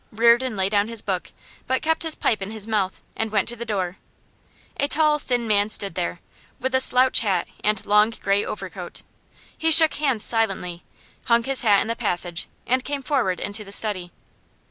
Reardon laid down his book, but kept his pipe in his mouth, and went to the door. A tall, thin man stood there, with a slouch hat and long grey overcoat. He shook hands silently, hung his hat in the passage, and came forward into the study.